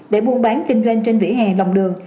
để buôn bán kinh doanh trên vỉa hè lòng đường